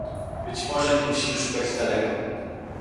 Być może nie musimy szukać daleko